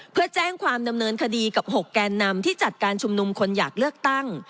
เพื่อแจ้งความดำเนินคดีกับ๖แกนนำที่จัดการชุมนุมคนอยากเลือกตั้ง